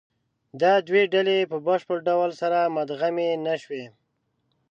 دا دوې ډلې په بشپړ ډول سره مدغمې نهشوې.